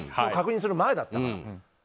確認する前だったから。